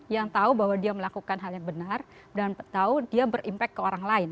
yang tahu bahwa dia melakukan hal yang benar dan tahu dia berimpact ke orang lain